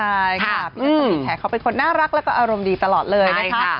ใช่ค่ะพี่นักศึกษาแทกเขาเป็นคนน่ารักและอารมณ์ดีตลอดเลย